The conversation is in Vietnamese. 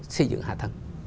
xây dựng hạ tầng